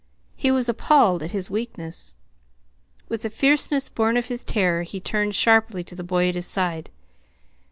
He was appalled at his weakness. With a fierceness born of his terror he turned sharply to the boy at his side.